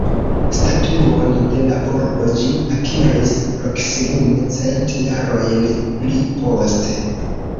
Statuon de la urbo ĝi akiris proksimume cent jarojn pli poste.